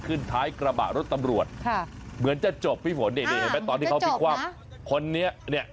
ขึ้นท้ายกระบะรถตำรวจค่ะเหมือนจะจบพี่ฝนนี่นี่เห็นไหมตอนที่เขาพลิกคว่ำคนนี้เนี่ย